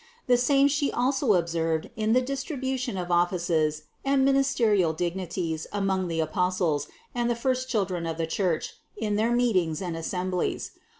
The same She also observed in the dis tribution of offices and ministerial dignities among the Apostles and the first children of the Church in their 428 CITY OF GOD meetings and assemblies.